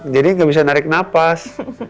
jadi gak bisa narik nafas